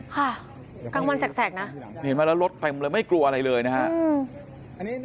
กลางวันแสกนะเห็นไหมแล้วรถเต็มเลยไม่กลัวอะไรเลยนะฮะ